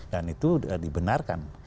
dan itu dibenarkan